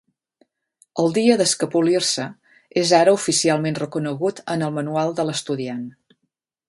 El dia d'escapolir-se és ara oficialment reconegut en el manual de l'estudiant.